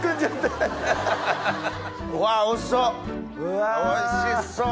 わおいしそう！